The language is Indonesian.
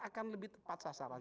akan lebih tepat sasaran